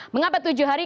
mengapa tujuh hari